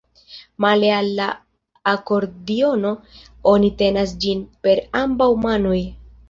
Male al la akordiono oni tenas ĝin per ambaŭ manoj.